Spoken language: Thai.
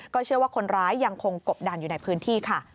เชื่อว่าคนร้ายยังคงกบดันอยู่ในพื้นที่ค่ะ